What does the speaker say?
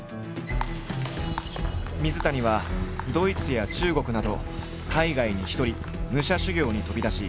水谷はドイツや中国など海外に一人武者修行に飛び出し